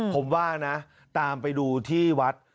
ผมว่านะตามไปดูที่วัด